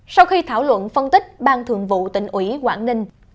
sau khi thảo luận phân tích bang thượng vụ tỉnh ủy quảng ninh